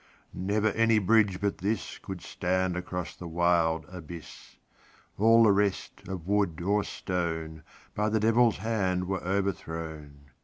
Never any bridge but thisCould stand across the wild abyss; All the rest, of wood or stone, By the Devil's hand were overthrown.